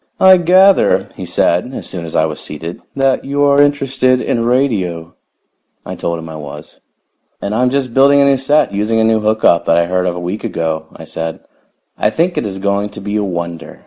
"I gather," he said as soon as I was seated, "that you are interested in radio." I told him I was. "And I'm just building a new set, using a new hook up that I heard of a week ago," I said. "I think it is going to be a wonder.